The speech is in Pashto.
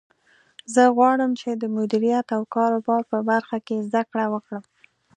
زه غواړم چې د مدیریت او کاروبار په برخه کې زده کړه وکړم